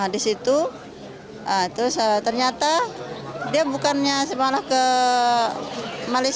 di situ ternyata dia bukannya ke malaysia